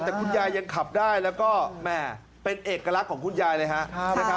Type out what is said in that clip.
แต่คุณยายยังขับได้แล้วก็แม่เป็นเอกลักษณ์ของคุณยายเลยครับ